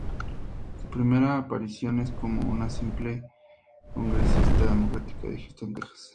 Su primera aparición es como un simple congresista demócrata de Houston, Texas.